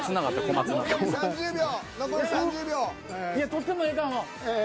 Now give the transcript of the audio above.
取ってもええからもう。